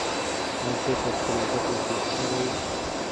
آیا ته په خپلو زده کړو کې خوشحاله یې؟